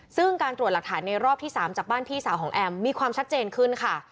ซึ่งการตรวจหลักฐานในรอบที่๓จากบ้านพี่สาวของแอมมีความชัดเจนขึ้นค่ะ